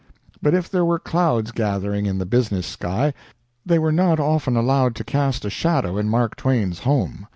But if there were clouds gathering in the business sky, they were not often allowed to cast a shadow in Mark Twain's home.